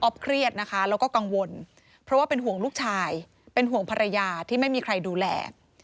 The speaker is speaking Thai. เครียดนะคะแล้วก็กังวลเพราะว่าเป็นห่วงลูกชายเป็นห่วงภรรยาที่ไม่มีใครดูแล